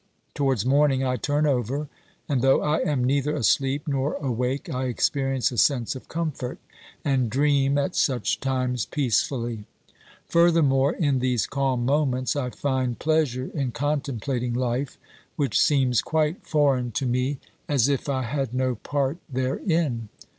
Towards morning I turn over, and though I am neither asleep nor awake I experience a sense of comfort, and dream at such times peacefully. Furthermore, in these calm moments I find pleasure in contemplating life, which seems quite foreign to OBERMANN 359 me, as if I had no part therein.